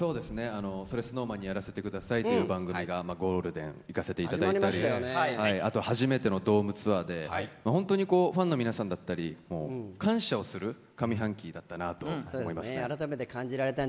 「それＳｎｏｗＭａｎにやらせて下さい」という番組がゴールデンいかせていただいたりあと初めてのドームツアーで本当にファンの皆さんだったり感謝をする上半期だったなと思いますね。